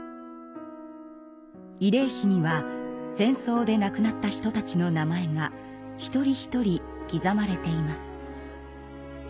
慰霊碑には戦争で亡くなった人たちの名前が一人一人刻まれています。